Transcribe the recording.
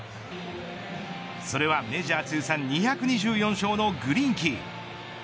それはメジャー通算２２４勝のグリンキー。